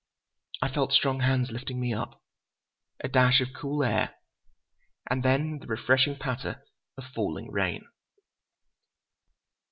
I felt strong hands lifting me up. A dash of cool air, and then the refreshing patter of falling rain.